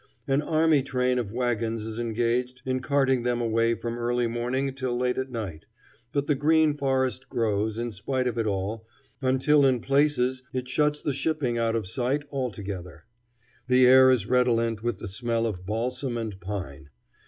An army train of wagons is engaged in carting them away from early morning till late at night; but the green forest grows, in spite of it all, until in places it shuts the shipping out of sight altogether. The air is redolent with the smell of balsam and pine.